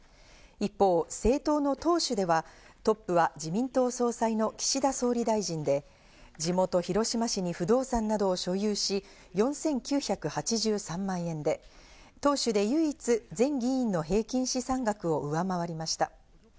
一方、政党の党首ではトップは自民党総裁の岸田総理大臣で地元・広島市に不動産などを所有し４９８３万円で、党首で唯一、全議員の平均資産額を上回りました。